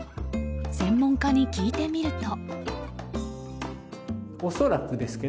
専門家に聞いてみると。